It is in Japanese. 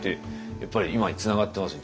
やっぱり今につながってますよ